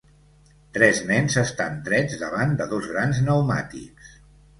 Tres nens estan drets davant de dos grans pneumàtics.